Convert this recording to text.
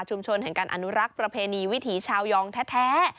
แห่งการอนุรักษ์ประเพณีวิถีชาวยองแท้